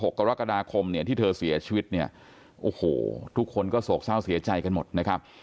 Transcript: กรกฎาคมเนี่ยที่เธอเสียชีวิตเนี่ยโอ้โหทุกคนก็โศกเศร้าเสียใจกันหมดนะครับ